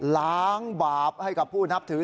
ล้างบาปให้กับผู้นับถือ